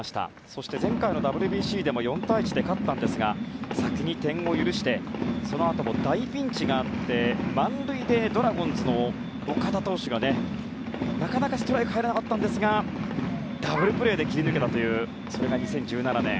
そして前回のＷＢＣでも４対１で勝ったんですが先に点を許してそのあとも大ピンチがあって満塁でドラゴンズの岡田投手がなかなかストライクが入らなかったんですがダブルプレーで切り抜けたというのが２０１７年。